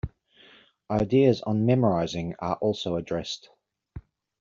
Ideas on memorizing are also addressed.